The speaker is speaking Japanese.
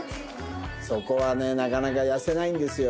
そこはねなかなか痩せないんですよ。